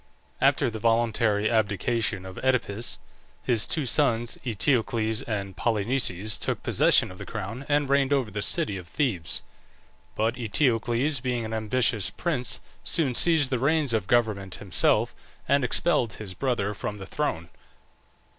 After the voluntary abdication of Oedipus, his two sons, Eteocles and Polynices, took possession of the crown and reigned over the city of Thebes. But Eteocles, being an ambitious prince, soon seized the reins of government himself, and expelled his brother from the throne.